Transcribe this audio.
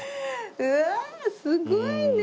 うわすごいね。